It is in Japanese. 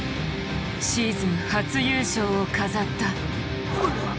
シーズン初優勝を飾った。